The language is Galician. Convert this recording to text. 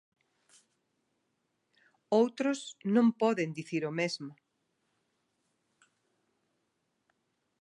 Outros non poden dicir o mesmo.